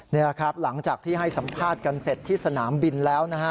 นี่แหละครับหลังจากที่ให้สัมภาษณ์กันเสร็จที่สนามบินแล้วนะฮะ